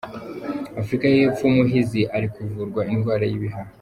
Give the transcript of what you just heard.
Afurika y’epfo muhizi ari kuvurwa indwara y’ibihaha